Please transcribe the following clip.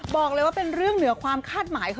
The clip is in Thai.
บอกเลยว่าเป็นเรื่องเหนือความคาดหมายของ